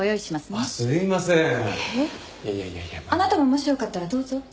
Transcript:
あなたももしよかったらどうぞ。